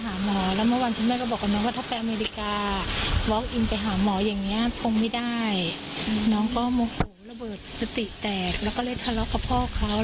แหมดเหมือนจิตผิดปกติอะ